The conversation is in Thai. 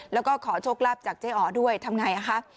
แล้วก็ขอโชคลาภจากเจ๊อ๋อด้วยทำไงคะ